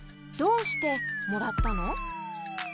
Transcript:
どうしてもらったの？